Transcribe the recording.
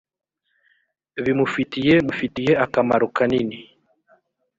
bimufitiye mufitiye akamaro kanini.